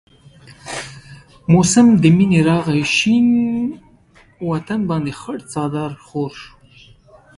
موسم د منی راغي شين وطن باندي خړ څادر خور شو